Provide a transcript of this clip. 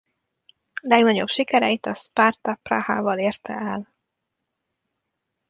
Legnagyobb sikereit a Sparta Prahaval érte le.